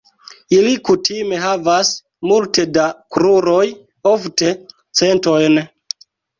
Ili kutime havas multe da kruroj, ofte centojn.